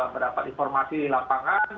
berdapat informasi di lapangan